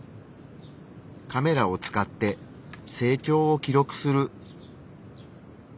カメラを使って成長を記録する。